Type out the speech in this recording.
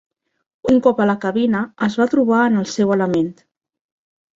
Un cop a la cabina, es va trobar en el seu element.